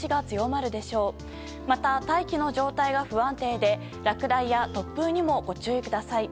また大気の状態が不安定で落雷や突風にもご注意ください。